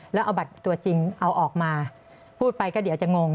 แล้วเอาบัตรตัวจริงเอาออกมาพูดไปก็เดี๋ยวจะงง